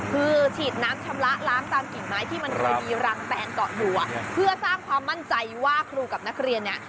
คือฉีดน้ำชำระล้างตามกิ่งไม้ที่มันเคยมีรังแตนเกาะอยู่อ่ะเพื่อสร้างความมั่นใจว่าครูกับนักเรียนเนี่ย